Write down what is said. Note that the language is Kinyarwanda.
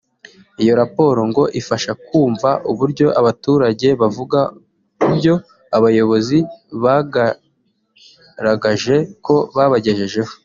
Iyo raporo ngo ifasha mu kumva uburyo abaturage bavuga kubyo abayobozi bagaragaje ko babagejejeho